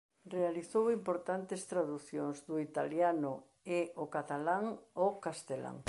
Realizou importantes traducións do italiano e o catalán ao castelán.